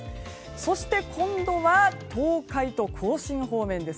そして、今度は東海と甲信方面。